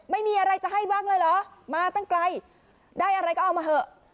ไม่มีอะไรจะให้บ้างเลยเหรอมาตั้งไกลได้อะไรก็เอามาเถอะ